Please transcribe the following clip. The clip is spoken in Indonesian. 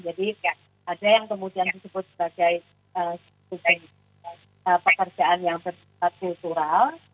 jadi ada yang kemudian disebut sebagai suatu pekerjaan yang berdekatan kultural